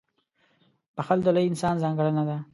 • بښل د لوی انسان ځانګړنه ده.